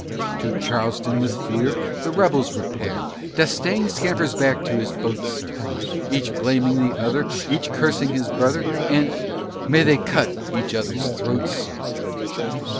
To Charleston with fear The rebels repair; D'Estaing scampers back to his boats, sir, Each blaming the other, Each cursing his brother, And may they cut each other's throats, sir.